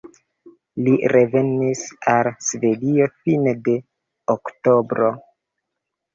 Li revenis al Svedio fine de oktobro.